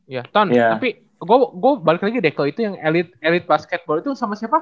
ya tan tapi gue balik lagi deh ke itu yang elite elite basket ball itu sama siapa